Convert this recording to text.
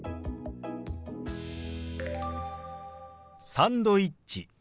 「サンドイッチ」。